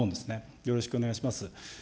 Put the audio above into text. よろしくお願いします。